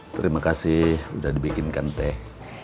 terima kasih sudah dibikinkan teh